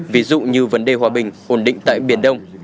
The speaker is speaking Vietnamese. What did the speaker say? ví dụ như vấn đề hòa bình ổn định tại biển đông